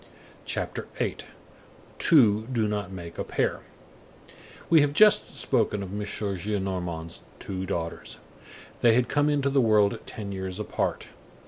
CHAPTER VIII—TWO DO NOT MAKE A PAIR We have just spoken of M. Gillenormand's two daughters. They had come into the world ten years apart.